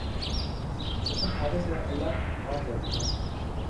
قسم کھانے سے اللہ مان جاتا ہے